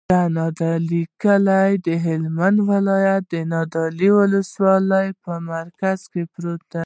د نادعلي کلی د هلمند ولایت، نادعلي ولسوالي په مرکز کې پروت دی.